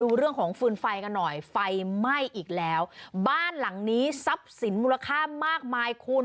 ดูเรื่องของฟืนไฟกันหน่อยไฟไหม้อีกแล้วบ้านหลังนี้ทรัพย์สินมูลค่ามากมายคุณ